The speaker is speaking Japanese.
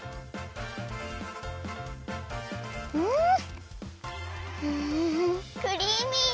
ん！んクリーミー！